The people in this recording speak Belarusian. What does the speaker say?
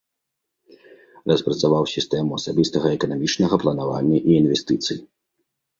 Распрацаваў сістэму асабістага эканамічнага планавання і інвестыцый.